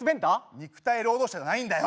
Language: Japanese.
肉体労働者じゃないんだよ！